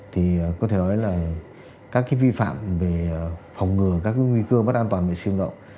thì có thể nói là các cái vi phạm về phòng ngừa các cái nguy cơ bất an toàn về siêu động